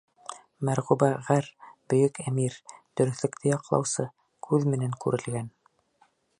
Мәрғүбә ғәр. — бөйөк әмир — дөрөҫлөктө яҡлаусы — күҙ менән күрелгән.